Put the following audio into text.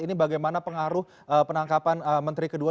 ini bagaimana pengaruh penangkapan menteri kedua